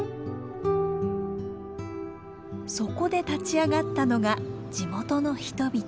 そこで立ち上がったのが地元の人々。